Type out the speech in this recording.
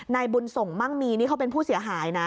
นายบุญส่งมั่งมีนี่เขาเป็นผู้เสียหายนะ